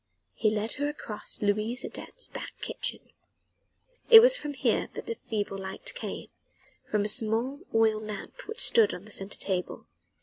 He led her across Louise Adet's back kitchen. It was from here that the feeble light came from a small oil lamp which stood on the centre table.